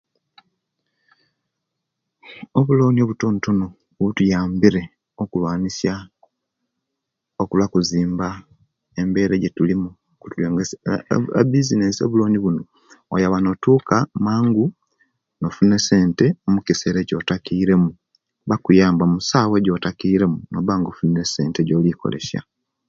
Obuloni obutontono batuyambire okulwanisia okulwakuzimba embera ejetulimu aaha bisinesi obuloni buno oyaba notuka mangu nofuna esente mukisera ekyotakire mu bakuyamba musawa ejotakire mu nobanga ofunire esente ejoli okozesya